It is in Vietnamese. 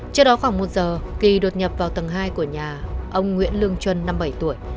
trước đó khoảng một giờ kỳ đột nhập vào tầng hai của nhà ông nguyễn lương trân năm mươi bảy tuổi